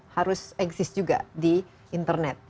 harus eksis juga di internet